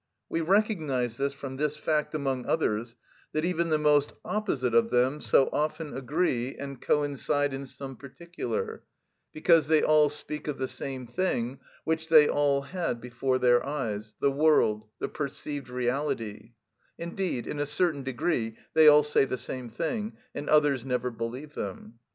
We recognise this from this fact, among others, that even the most opposite of them so often agree and coincide in some particular; because they all speak of the same thing which they all had before their eyes, the world, the perceived reality; indeed in a certain degree they all say the same thing, and others never believe them.